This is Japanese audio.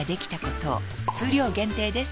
数量限定です